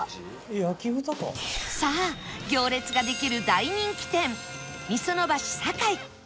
さあ行列ができる大人気店みその橋サカイ